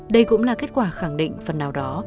đây cũng là kết quả khẳng định phần nào đó